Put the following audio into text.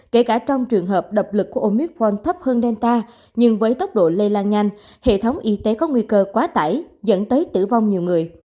kể cả trong trường hợp đập lực của omicron thấp hơn delta nhưng với tốc độ lây lan nhanh hệ thống y tế có nguy cơ quá tải dẫn tới tử vong nhiều người